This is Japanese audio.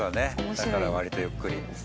だから割とゆっくり。